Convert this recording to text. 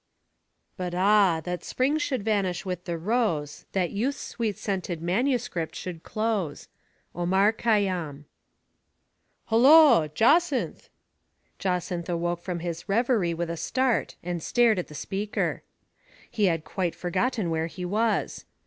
But, ah, that Spring should vanish with the rose. That youth's sweet*scented manuscript should close. Omar Khayyam. " HULLOA, Jacynth !" Jacynth awoke from his reverie with a start and stared at the speaker. He had quite for gotten where he was.